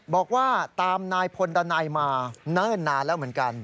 บอกว่าตามนายพลดันัยมาเนิ่นนานแล้วเหมือนกัน